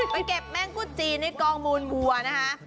ไปเก็บแม่งกุ๊จีนในกองมูลวัวนะคะ